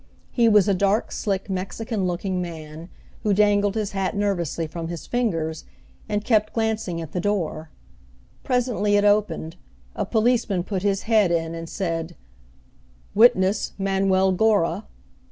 He was a dark, slick, Mexican looking man, who dangled his hat nervously from his fingers, and kept glancing at the door. Presently it opened, a policeman put his head in And said, "Witness Manuel Gora."